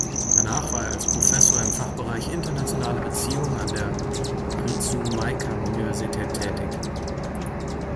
Danach war er als Professor im Fachbereich internationale Beziehungen an der Ritsumeikan-Universität tätig.